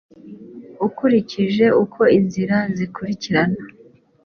ukurikije uko inzira zikurikirana